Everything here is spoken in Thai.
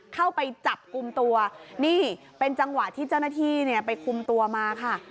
เข้าไปจับกลุ่มตัวนี่เป็นจังหวะที่เจ้าหน้าที่เนี่ยไปคุมตัวมาค่ะ